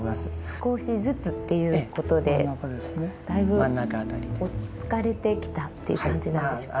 少しずつっていうことでだいぶ落ち着かれてきたっていう感じなんでしょうか。